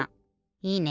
いいね。